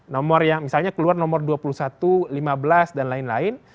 nomor yang misalnya keluar nomor dua puluh satu lima belas dan lain lain